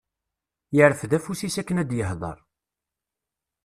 Yerfed afus-is akken ad d-yehder.